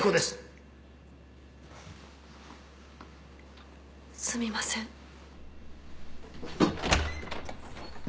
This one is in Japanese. すみません。